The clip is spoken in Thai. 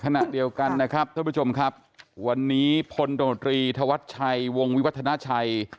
ขณะเดียวกันนะครับวันนี้พลโดรตรีธวัตชัยวงวิวัฒนาชัย